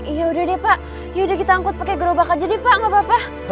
yaudah deh pak yaudah kita angkut pake gerobak aja deh pak gak apa apa